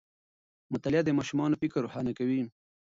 مطالعه د ماشوم فکر روښانه کوي.